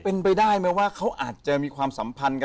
เป็นไปได้ไหมว่าเขาอาจจะมีความสัมพันธ์กัน